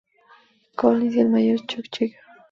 Collins y el Mayor Chuck Yeager.